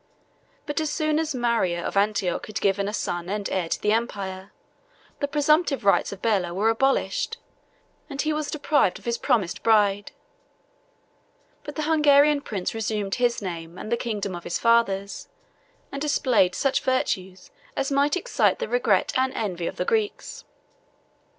But as soon as Maria of Antioch had given a son and heir to the empire, the presumptive rights of Bela were abolished, and he was deprived of his promised bride; but the Hungarian prince resumed his name and the kingdom of his fathers, and displayed such virtues as might excite the regret and envy of the Greeks.